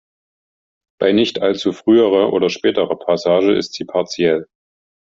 Bei nicht allzu früherer oder späterer Passage ist sie partiell.